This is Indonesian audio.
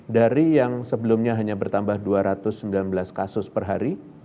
dari yang sebelumnya hanya bertambah dua ratus sembilan belas kasus per hari